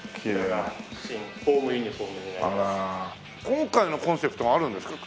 今回のコンセプトがあるんですか？